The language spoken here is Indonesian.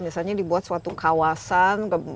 misalnya dibuat suatu kawasan